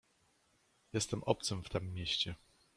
"Jestem obcym w tem mieście."